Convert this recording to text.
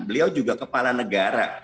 beliau juga kepala negara